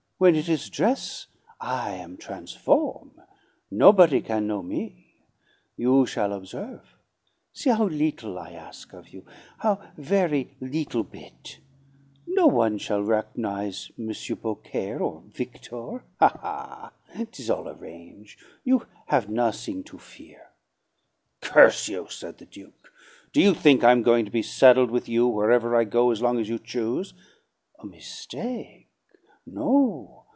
"When it is dress', I am transform nobody can know me; you shall observe. See how little I ask of you, how very little bit. No one shall reco'nize 'M. Beaucaire' or 'Victor.' Ha, ha! 'Tis all arrange'; you have nothing to fear." "Curse you," said the Duke, "do you think I'm going to be saddled with you wherever I go as long as you choose?" "A mistake. No.